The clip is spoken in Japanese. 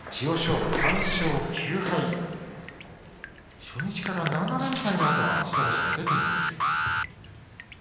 馬３勝９敗初日から７連敗のあとは白星が出ています。